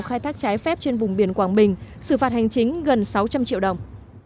khai thác trái phép trên vùng biển quảng bình xử phạt hành chính gần sáu trăm linh triệu đồng